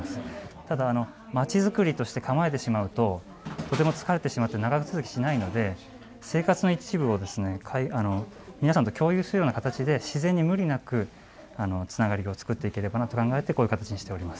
ただ、まちづくりとして構えてしまうととても疲れてしまって長続きしないので生活の一部を皆さんと共有するような形で自然に無理なくつながりを作っていこうとこのような形にしています。